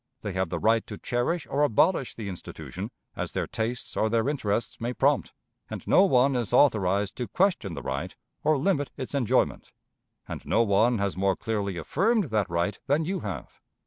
They have the right to cherish or abolish the institution, as their tastes or their interests may prompt, and no one is authorized to question the right, or limit its enjoyment. And no one has more clearly affirmed that right than you have.